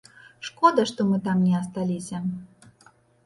Шкода, што мы там не асталіся.